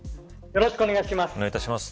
よろしくお願いします。